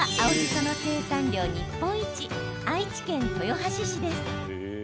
その生産量日本一愛知県豊橋市です。